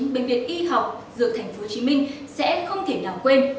bệnh viện y học dược tp hcm sẽ không thể nào quên